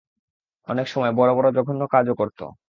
অনেক সময় বড় বড় জঘন্য কাজও করত।